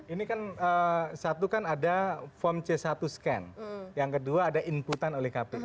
ini kan satu kan ada form c satu scan yang kedua ada inputan oleh kpk